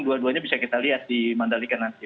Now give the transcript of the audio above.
dua duanya bisa kita lihat dimandalikan nanti